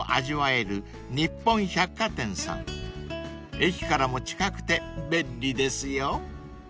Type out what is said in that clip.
［駅からも近くて便利ですよ］